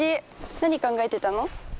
何考えてたの？